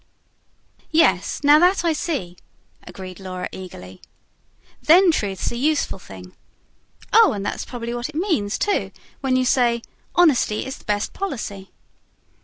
"Yes, now THAT I see," agreed Laura eagerly. "Then truth's a useful thing. Oh, and that's probably what it means, too, when you say: Honesty is the best Policy."